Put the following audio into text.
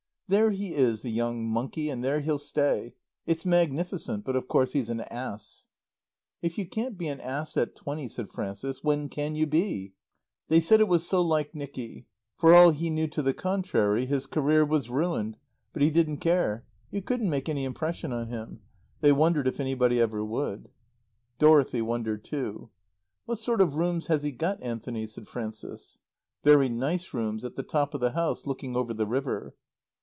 "There he is, the young monkey, and there he'll stay. It's magnificent, but of course he's an ass." "If you can't be an ass at twenty," said Frances, "when can you be?" They said it was so like Nicky. For all he knew to the contrary his career was ruined; but he didn't care. You couldn't make any impression on him. They wondered if anybody ever would. Dorothy wondered too. "What sort of rooms has he got, Anthony?" said Frances. "Very nice rooms, at the top of the house, looking over the river."